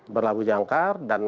berlagu jangkar dan